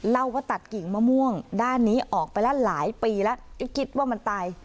เล่าว่าตัดกิ่งมะม่วงด้านนี้ออกไปแล้วหลายปีแล้วคิดว่ามันตาย